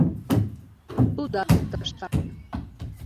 — Тудат тыштак!